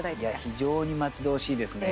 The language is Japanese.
非常に待ち遠しいですね。